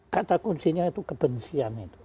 kata kuncinya itu kebencian